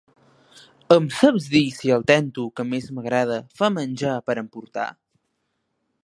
Em saps dir si el Tento que més m'agrada fa menjar per emportar?